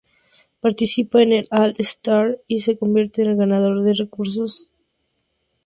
Participa en el All-Star y se convierte en el ganador del concurso de triples.